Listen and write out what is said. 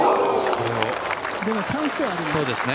でも、チャンスはあります。